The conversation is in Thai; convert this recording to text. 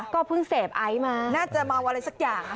ก็เพิ่งเสพไอซ์มาน่าจะเมาอะไรสักอย่างค่ะ